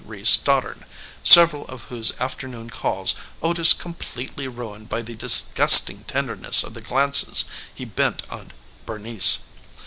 Reece Stoddard, several of whose afternoon calls Otis completely ruined by the disgusting tenderness of the glances he bent on Bernice.